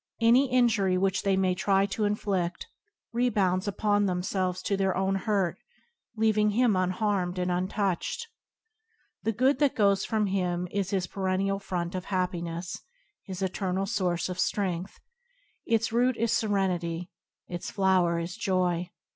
Any injury which they may try to inflid:, rebounds upon themselves [ '3 ] 99an: J&tng of^inD to their own hurt, leaving him unharmed and untouched. The good that goes from him is his perennial fount of happiness, his eternal source of strength. Its root is seren ity, its flower is joy.